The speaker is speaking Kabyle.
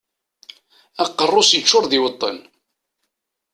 Aqerru-s yeččuṛ d iweṭṭen.